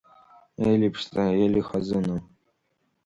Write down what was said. Ели ԥшӡа, Ели хазына!